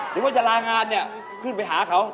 ถึงว่าจะลางานเนี่ยขึ้นไปหาเขา